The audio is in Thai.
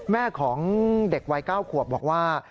แม่ของเด็กวัย๙ขวบบอกว่า